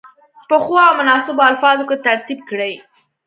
په ښو او مناسبو الفاظو کې ترتیب کړي.